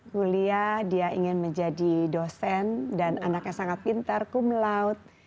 kuliah dia ingin menjadi dosen dan anaknya sangat pintar kumelaut